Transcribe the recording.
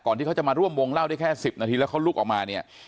ที่เขาจะมาร่วมวงเล่าได้แค่๑๐นาทีแล้วเขาลุกออกมาเนี่ย